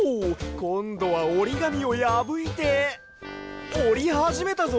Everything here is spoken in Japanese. こんどはおりがみをやぶいておりはじめたぞ。